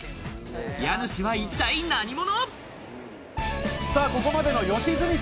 家主は一体何者？